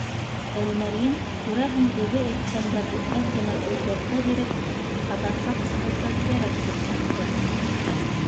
Тәлмәрйен, күрәһең, үҙе әйткәндәрҙе әҙ генә үҙгәртә биреп, ҡабатлап сығыуҙы кәрәк тип тапты.